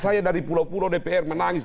saya dari pulau pulau dpr menangis